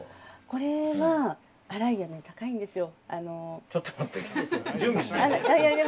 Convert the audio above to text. これはアライア高いんですよ。